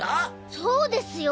そですよ！